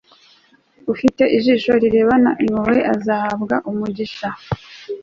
ufite ijisho rirebana impuhwe azahabwa umugisha